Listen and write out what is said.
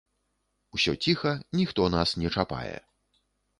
Усё ціха, ніхто нас не чапае.